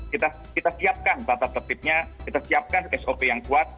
kita siapkan tata tertibnya kita siapkan sop yang kuat